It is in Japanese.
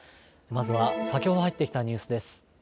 まずは先ほど入ってきたニュースです。